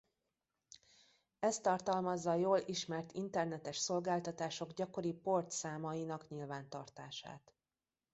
Ez tartalmazza a jól ismert internetes szolgáltatások gyakori port számainak nyilvántartását.